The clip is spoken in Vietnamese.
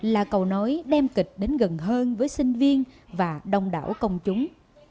là cầu nối đem kịch đến gần hơn với sinh viên và đông đảo công chúng